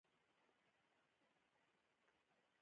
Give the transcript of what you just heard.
قدرت په خپل ذات کې یوه وحشي او سرکشه پدیده ده.